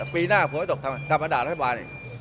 ปีหน้าผลไม่ตกทำไงถ้ามันด่ารัฐบาลอีก